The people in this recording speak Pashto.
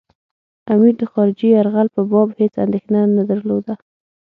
امیر د خارجي یرغل په باب هېڅ اندېښنه نه درلوده.